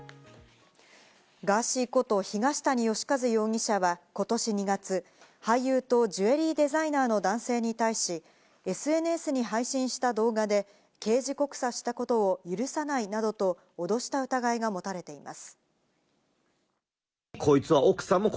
ガーシーこと東谷義和容疑者はことし２月、俳優とジュエリーデザイナーの男性に対し、ＳＮＳに配信した動画で刑事告訴したことを許さないなどと脅した疑いが持たれています。